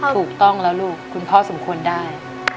ถูกต้องแล้วลูกคุณพ่อสมควรได้